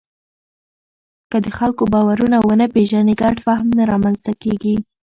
که د خلکو باورونه ونه پېژنې، ګډ فهم نه رامنځته کېږي.